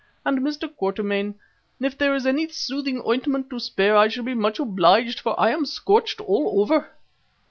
And Mr. Quatermain, if there is any soothing ointment to spare, I shall be much obliged, for I am scorched all over."